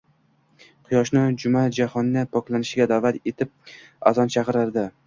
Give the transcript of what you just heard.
quyoshni — jumla-jahonni poklanishga daʼvat etib azon chaqirardi.